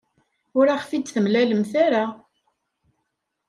Ur aɣ-t-id-temlamt ara.